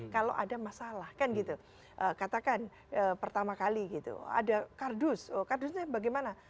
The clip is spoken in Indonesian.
kalau ada masalah katakan pertama kali ada kardus kardusnya bagaimana